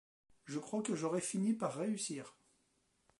Je crois que j'aurais fini par réussir.